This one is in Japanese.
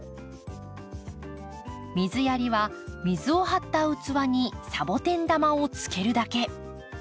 水やりは水を張った器にサボテン玉をつけるだけ。